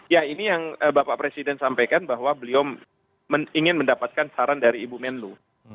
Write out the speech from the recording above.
ya ini yang bapak presiden sampaikan bahwa beliau ingin mendapatkan saran dari ibu menlu